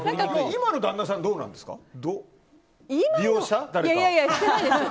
今の旦那さんはどうなんですか。